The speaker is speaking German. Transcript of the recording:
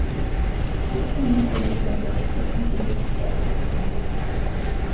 Ich kann Ihnen versichern, dass sich das mit dem nächsten Beitrag ändert.